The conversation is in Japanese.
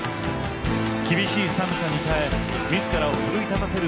厳しい寒さに耐えみずからを奮い立たせる